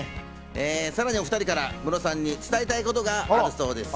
さらにお２人からムロさんに伝えたいことがあるそうですよ。